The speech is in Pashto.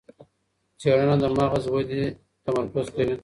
څېړنه د مغز ودې تمرکز کوي.